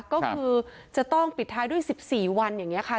ก็คือจะต้องปิดท้ายด้วย๑๔วันอย่างนี้ค่ะ